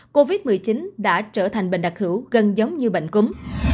covid một mươi chín đã trở thành bệnh đặc hữu gần giống như bệnh cúm